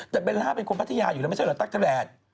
แต่เบลล่าเป็นคนพัทยาอยู่แล้วไม่ใช่เหรอตั๊กเทอร์แลต